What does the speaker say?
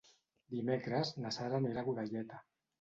Dimecres na Sara anirà a Godelleta.